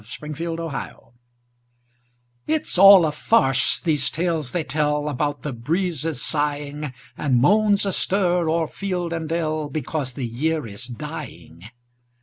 MERRY AUTUMN It's all a farce, these tales they tell About the breezes sighing, And moans astir o'er field and dell, Because the year is dying.